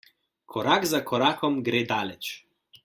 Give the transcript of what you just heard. Korak za korakom gre daleč.